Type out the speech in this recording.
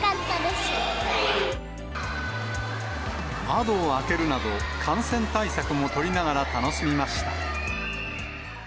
窓を開けるなど、感染対策も取りながら楽しみました。